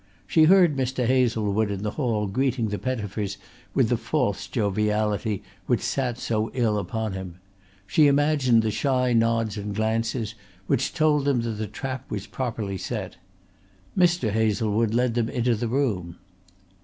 She heard Mr. Hazlewood in the hall greeting the Pettifers with the false joviality which sat so ill upon him; she imagined the shy nods and glances which told them that the trap was properly set. Mr. Hazlewood led them into the room.